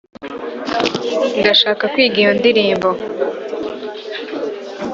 ndashaka kwiga iyo ndirimbo.